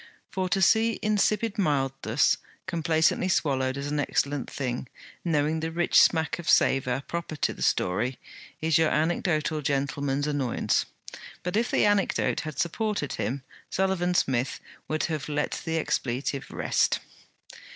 For to see insipid mildness complacently swallowed as an excellent thing, knowing the rich smack of savour proper to the story, is your anecdotal gentleman's annoyance. But if the anecdote had supported him, Sullivan Smith would have let the expletive rest.